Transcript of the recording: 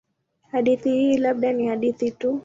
Hadithi hii labda ni hadithi tu.